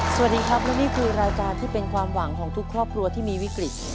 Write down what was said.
สวัสดีครับและนี่คือรายการที่เป็นความหวังของทุกครอบครัวที่มีวิกฤต